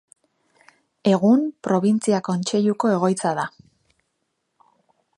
Egun, Probintzia Kontseiluko egoitza da.